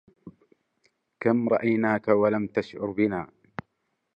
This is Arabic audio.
كم رأيناك ولم تشعر بنا